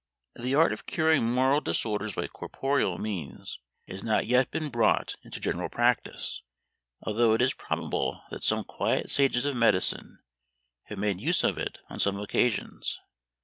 The art of curing moral disorders by corporeal means has not yet been brought into general practice, although it is probable that some quiet sages of medicine have made use of it on some occasions.